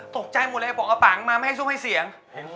ตกใจหมดเลยปกกระป๋างมาไม่ให้ซุ่มให้เสียง